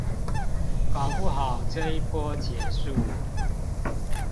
搞不好這一波結束